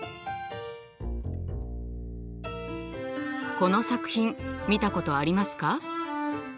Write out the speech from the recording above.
この作品見たことありますか？